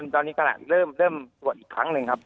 ตอนนี้ขนาดเริ่มตรวจอีกครั้งหนึ่งครับ